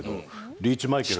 リーチマイケル。